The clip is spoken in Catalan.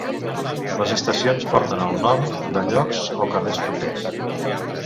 Les estacions porten el nom de llocs o carrers propers.